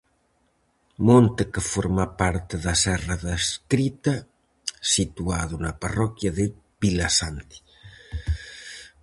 Monte que forma parte da serra da Escrita, situado na parroquia de Vilasante.